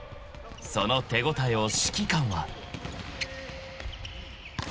［その手応えを指揮官は］